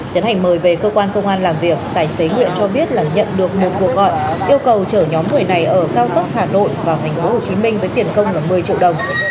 tiến hành mời về cơ quan công an làm việc tài xế nguyễn cho biết là nhận được một cuộc gọi yêu cầu chở nhóm người này ở cao tốc hà nội vào thành phố hồ chí minh với tiền công là một mươi triệu đồng